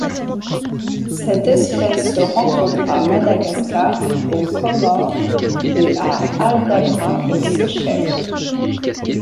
Cette espèce se rencontre à Madagascar, aux Comores et à Aldabra aux Seychelles.